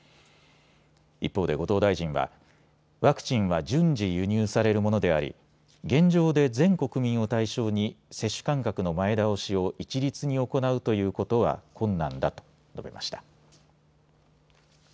一方で後藤大臣はワクチンは順次輸入されるものであり現状で全国民を対象に接種間隔の前倒しを一律に行うということは困難だと述べました。